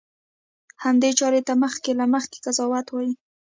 همدې چارې ته مخکې له مخکې قضاوت وایي.